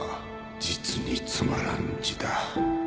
実につまらん字だ